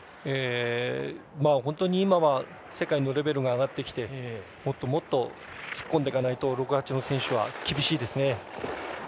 本当に今は世界のレベルが上がってきてもっともっと突っ込んでいかないと６／８の選手は厳しいですね。